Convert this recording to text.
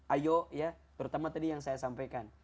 ayo ya terutama tadi yang saya sampaikan